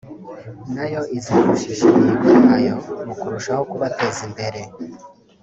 nayo izifashisha imihigo yabo mu kurusaho kubateza imbere